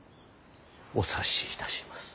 お察しいたします。